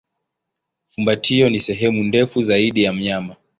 Fumbatio ni sehemu ndefu zaidi ya mnyama.